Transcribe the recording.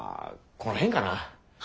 この辺かな。